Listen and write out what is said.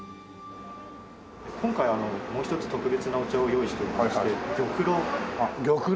今回もう一つ特別なお茶を用意しておりまして玉露。